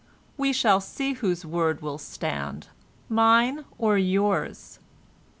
We shall see whose word will stand, Mine or yours."